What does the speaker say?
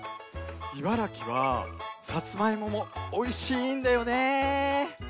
茨城はさつまいももおいしいんだよね！